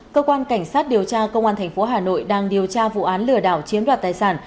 cơ quan cảnh sát điều tra công an tp hà nội đang điều tra vụ án lừa đảo chiếm đoạt tài sản